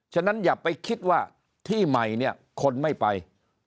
ฉะนั้นอย่าไปคิดว่าที่ใหม่เนี่ยคนไม่ไป